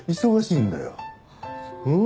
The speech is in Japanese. うん。